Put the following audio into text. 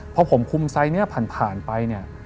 พอผมคุมไซส์นี้ผ่านไปเนี่ย